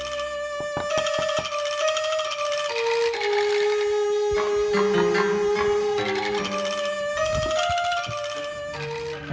tidak ada yang peduli